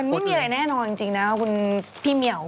ไม่มีอะไรแน่นอนจริงนะคุณพี่เหมียว